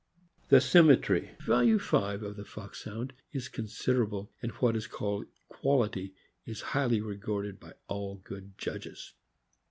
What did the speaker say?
The symmetry (value 5) of the Foxhound is considerable, and what is called "quality" is highly regarded by all good judges.